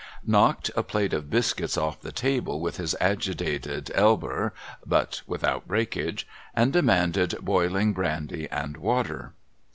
— knocked a plate of biscuits off the table with his agitated elber (but without breakage), and demanded boiling brandy and water.